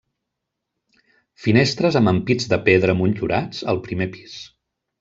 Finestres amb ampits de pedra motllurats al primer pis.